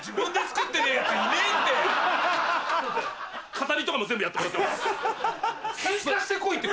語りとかも全部やってもらってます。